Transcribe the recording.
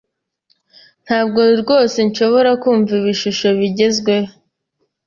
Ntabwo rwose nshobora kumva ibishusho bigezweho.